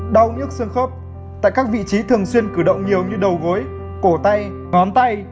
đau nhức xương khớp tại các vị trí thường xuyên cử động nhiều như đầu gối cổ tay ngón tay